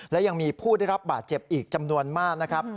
และยังมีผู้ได้รับบาดเจ็บอีกจำนวนมากนะครับ